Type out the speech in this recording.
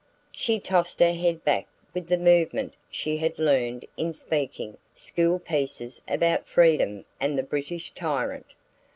She tossed her head back with the movement she had learned in "speaking" school pieces about freedom and the British tyrant.